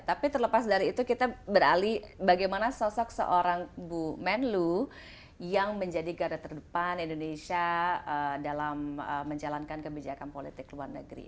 tapi terlepas dari itu kita beralih bagaimana sosok seorang bu menlu yang menjadi garda terdepan indonesia dalam menjalankan kebijakan politik luar negeri